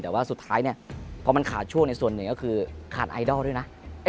แต่ว่าสุดท้ายเนี่ยพอมันขาดช่วงในส่วนหนึ่งก็คือขาดไอดอลด้วยนะ